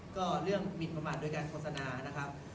ก็เรื่องมินประมาณโดยการโฆษณา